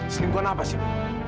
selingkuhan apa sih